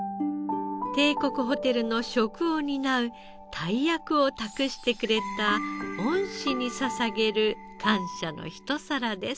帝国ホテルの食を担う大役を託してくれた恩師に捧げる感謝のひと皿です。